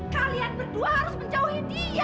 kalian berdua harus menjauhi dia